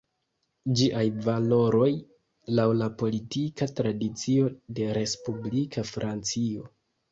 Ĝiaj valoroj, laŭ la politika tradicio de respublika Francio.